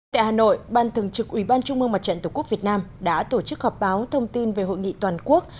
tại hà nội ban thường trực ủy ban trung mương mặt trận tổ quốc việt nam đã tổ chức họp báo thông tin về hội nghị toàn quốc